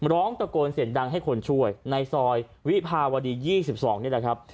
ร้องตะโกนเสียงดังให้คนช่วยในซอยวิภาวดี๒๒นี่แหละครับ